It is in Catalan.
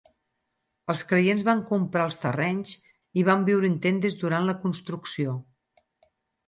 Els creients van comprar els terrenys i van viure en tendes durant la construcció.